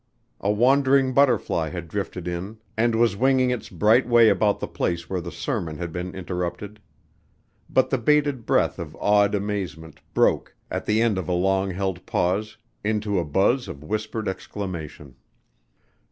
A wandering butterfly had drifted in and was winging its bright way about the place where the sermon had been interrupted. But the bated breath of awed amazement broke at the end of a long held pause into a buzz of whispered exclamation.